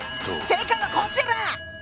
正解はこちら！